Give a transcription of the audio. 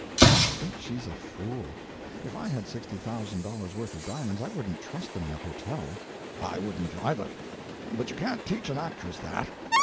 "I think she's a fool. If I had $60,000 worth of diamonds I wouldn't trust them in a hotel." "I wouldn't either; but you can't teach an actress that.